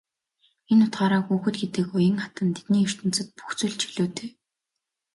Энэ утгаараа хүүхэд гэдэг уян хатан тэдний ертөнцөд бүх зүйл чөлөөтэй.